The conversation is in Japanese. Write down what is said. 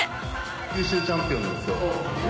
九州チャンピオンなんですよ